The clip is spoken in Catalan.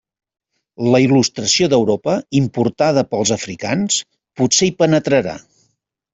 La il·lustració d'Europa, importada pels africans, potser hi penetrarà.